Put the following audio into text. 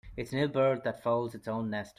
It's an ill bird that fouls its own nest.